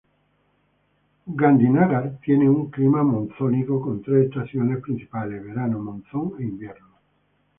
Gandhinagar tiene un clima monzónico, con tres estaciones principales, verano, monzón e invierno.